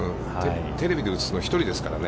テレビで映すのは、１人ですからね。